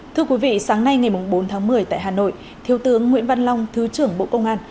thưa quý vị sáng nay ngày bốn tháng một mươi tại hà nội thiếu tướng nguyễn văn long thứ trưởng bộ công an